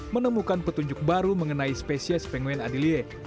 menemukan petunjuk baru mengenai spesies penguin adelie